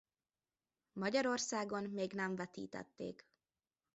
Magyarországon még nem vetítették.